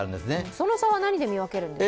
その差は何で見分けるんですか？